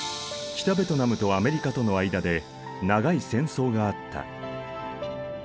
北ベトナムとアメリカとの間で長い戦争があった。